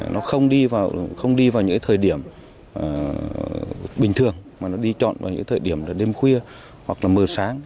nó không đi vào những thời điểm bình thường mà nó đi chọn vào những thời điểm đêm khuya hoặc là mờ sáng